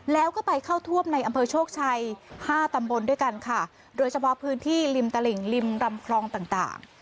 แล้วก็ไปเข้าท่วมในอำเภอโชคชัยห้าตำบลด้วยกันค่ะโดยเฉพาะพื้นที่ริมตลิ่งริมรำคลองต่างต่าง